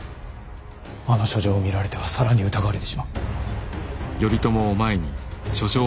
あの書状を見られては更に疑われてしまう。